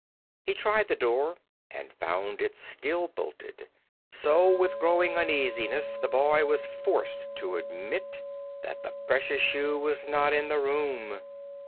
He tried the door, and found it still bolted; so, with growing uneasiness, the boy was forced to admit that the precious shoe was not in the room.